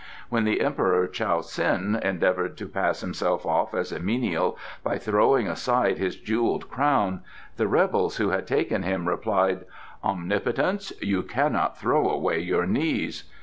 When the Emperor Chow sin endeavoured to pass himself off as a menial by throwing aside his jewelled crown, the rebels who had taken him replied: 'Omnipotence, you cannot throw away your knees.